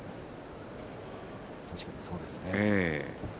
確かにそうですね。